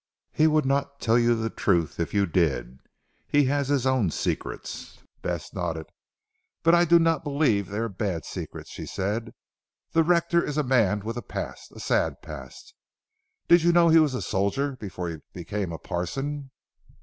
"He would not tell you the truth if you did. He has his own secrets." Bess nodded. "But I do not believe they are bad secrets," she said, "the rector is a man with a past a sad past. Did you know he was a soldier before he became a parson?"